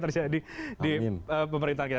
terjadi di pemerintahan kita